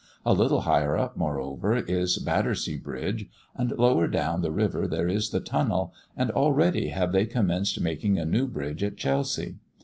A little higher up, moreover, is Battersea bridge, and lower down the river there is the Tunnel, and already have they commenced making a new bridge at Chelsea.